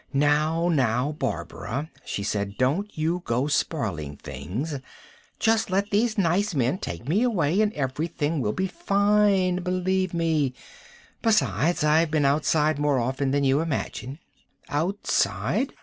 "Now, now, Barbara," she said. "Don't you go spoiling things. Just let these nice men take me away and everything will be fine, believe me. Besides, I've been outside more often than you imagine." "Outside?"